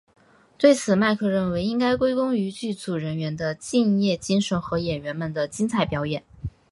对此麦克认为应该归功于剧组人员的敬业精神和演员们的精彩表演。